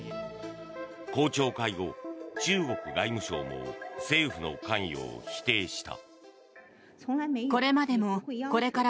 公聴会後、中国外務省も政府の関与を否定した。